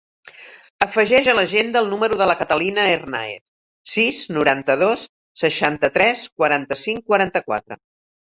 Afegeix a l'agenda el número de la Catalina Hernaez: sis, noranta-dos, seixanta-tres, quaranta-cinc, quaranta-quatre.